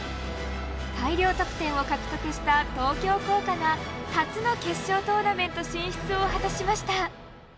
大量得点を獲得した東京工科が初の決勝トーナメント進出を果たしました。